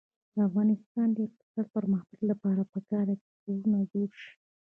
د افغانستان د اقتصادي پرمختګ لپاره پکار ده چې کورونه جوړ شي.